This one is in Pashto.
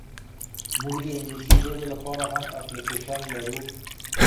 موږ د انګلیسي ژبي لپاره هم اپلیکیشن لرو.